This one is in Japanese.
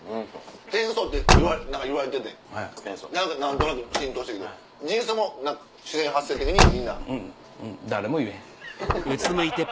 天素って言われててん何となく浸透してるけど人素も自然発生的にみんな？